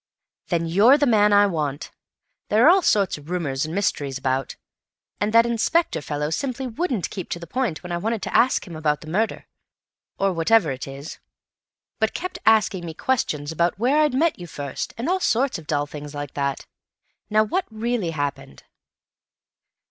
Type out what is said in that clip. "Then you're the man I want. There are all sorts of rumours and mysteries about, and that inspector fellow simply wouldn't keep to the point when I wanted to ask him about the murder, or whatever it is, but kept asking me questions about where I'd met you first, and all sorts of dull things like that. Now, what really happened?"